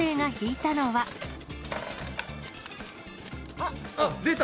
あっ、出た！